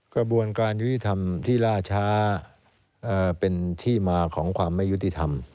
กระบวนการยุติธรรมที่ล่าช้าเป็นที่มาของความไม่ยุติธรรม